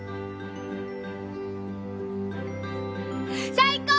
最高！